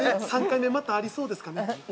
◆３回目またありそうですかね？